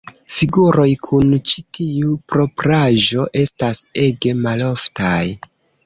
Figuroj kun ĉi tiu propraĵo estas ege maloftaj.